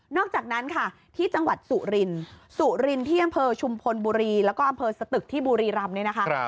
อกจากนั้นค่ะที่จังหวัดสุรินสุรินที่อำเภอชุมพลบุรีแล้วก็อำเภอสตึกที่บุรีรำเนี่ยนะคะ